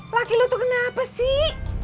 wakil lu tuh kenapa sih